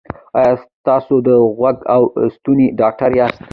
ایا تاسو د غوږ او ستوني ډاکټر یاست؟